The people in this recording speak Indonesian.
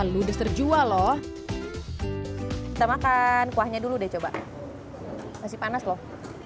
lalu diserjual loh kita makan kuahnya dulu deh coba masih panas loh